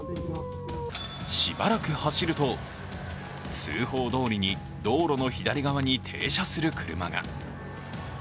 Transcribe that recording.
しばらく走ると、通報どおりに道路の左側に停車する車が。